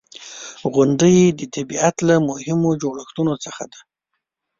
• غونډۍ د طبیعت له مهمو جوړښتونو څخه دي.